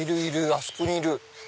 あそこにいる。